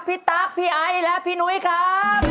พี่ตั๊กพี่ไอ้และพี่หนุ๊ยครับ